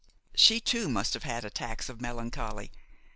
"She too must have had attacks of melancholy.